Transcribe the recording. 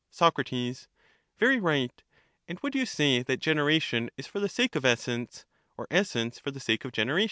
Soc, Very right ; and would you say that generation is for the sake of essence, or essence for the sake of generation